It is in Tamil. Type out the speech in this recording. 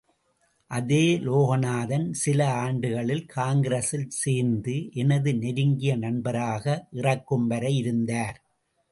அதே லோகநாதன் சில ஆண்டுகளில் காங்கிரசில் சேர்ந்து எனது நெருங்கிய நண்பராக இறக்கும் வரை இருந்தார்.